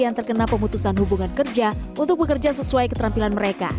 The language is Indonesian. yang terkena pemutusan hubungan kerja untuk bekerja sesuai ketampilan